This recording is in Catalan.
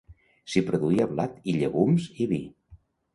S'hi produïa blat i llegums i vi.